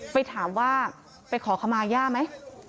ไปถามว่าไปขอขมาย่าไหม